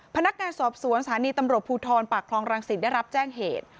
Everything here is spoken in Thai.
พนักงานสอบสวนสถานีตำรวจภูทรปากคลองรังสิตได้รับแจ้งเหตุ